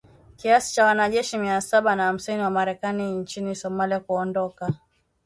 kiasi cha wanajeshi mia saba na hamsini wa Marekani nchini Somalia kuondoka